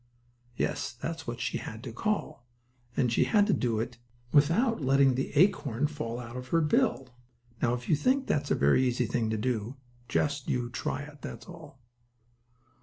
Yes, that's what she had to call, and she had to do it without letting the acorn fall out of her bill. Now, if you think that's a very easy thing to do, just you try it, that's all.